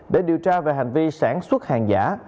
để điều tra về hành vi sản xuất hàng giả